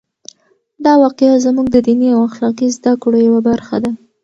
دا واقعه زموږ د دیني او اخلاقي زده کړو یوه برخه ده.